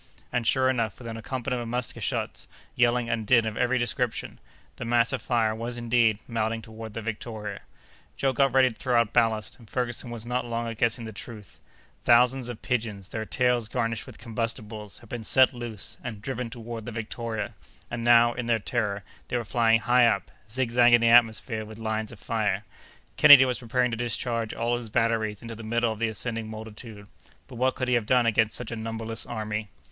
And, sure enough, with an accompaniment of musket shots, yelling, and din of every description, the mass of fire was, indeed, mounting toward the Victoria. Joe got ready to throw out ballast, and Ferguson was not long at guessing the truth. Thousands of pigeons, their tails garnished with combustibles, had been set loose and driven toward the Victoria; and now, in their terror, they were flying high up, zigzagging the atmosphere with lines of fire. Kennedy was preparing to discharge all his batteries into the middle of the ascending multitude, but what could he have done against such a numberless army?